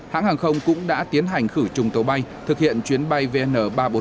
cảnh hàng không cũng đã tiến hành khử trùng tổ bay thực hiện chuyến bay vn ba trăm bốn mươi một